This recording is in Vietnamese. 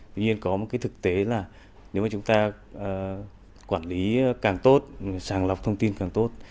tuy nhiên có một cái thực tế là nếu mà chúng ta quản lý càng tốt sàng lọc thông tin càng tốt